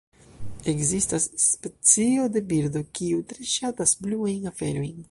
Ekzistas specio de birdo kiu tre ŝatas bluajn aferojn.